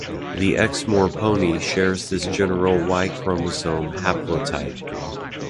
The Exmoor pony shares this general Y-chromosome haplotype.